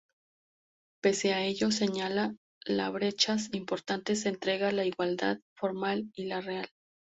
Pese a ello, señala la "brechas importantes entre la igualdad formal y la real.